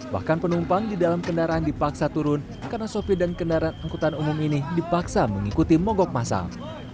bahkan penumpang di dalam kendaraan dipaksa turun karena sopir dan kendaraan angkutan umum ini dipaksa mengikuti mogok masal